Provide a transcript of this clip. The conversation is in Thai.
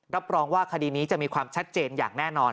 รับรองว่าคดีนี้จะมีความชัดเจนอย่างแน่นอน